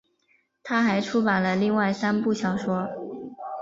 她还出版了另外三部小说。